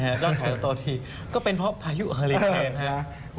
รอดถอดต่อทีก็เป็นเพราะพายุอเฮอริเคนส์ครับ